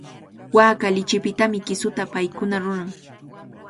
Waaka lichipitami kisuta paykuna ruran.